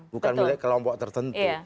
bukan milik kelompok tertentu